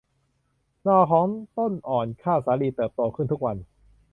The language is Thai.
หน่อของต้นอ่อนข้าวสาลีเติบโตขึ้นทุกวัน